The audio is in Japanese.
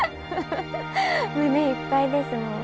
胸いっぱいですもう。